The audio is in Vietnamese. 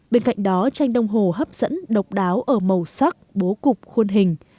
bên cạnh đó tranh đông hồ hấp dẫn độc đáo ở màu sắc bố cục khuôn hình